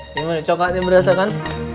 gimana cokelatnya berasa kan